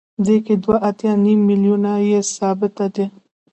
دې کې دوه اتیا نیم میلیونه یې ثابته ده